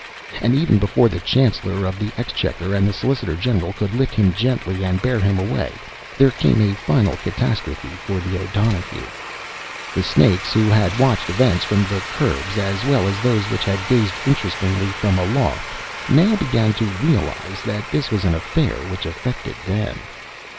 And, even before the Chancellor of the Exchequer and the solicitor general could lift him gently and bear him away, there came a final catastrophe, for the O'Donohue. The snakes who had watched events from the curbs, as well as those which had gazed interestedly from aloft, now began to realize that this was an affair which affected them.